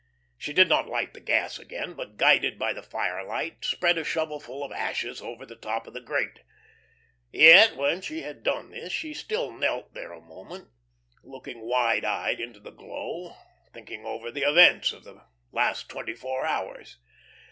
She did not light the gas again, but guided by the firelight, spread a shovelful of ashes over the top of the grate. Yet when she had done this, she still knelt there a moment, looking wide eyed into the glow, thinking over the events of the last twenty four hours.